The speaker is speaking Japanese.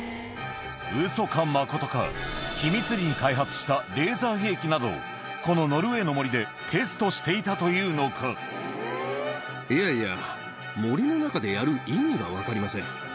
ウソかマコトか、秘密裏に開発したレーザー兵器などを、このノルウェーの森でテスいやいや、森の中でやる意味が分かりません。